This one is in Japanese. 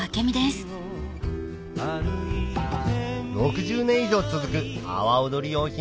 ６０年以上続く阿波おどり用品